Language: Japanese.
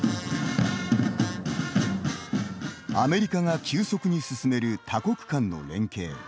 アメリカが急速にすすめる多国間の連携。